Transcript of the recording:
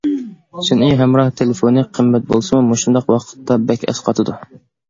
سۈنئىي ھەمراھ تېلېفونى قىممەت بولسىمۇ مۇشۇنداق ۋاقىتتا بەك ئەسقاتىدۇ.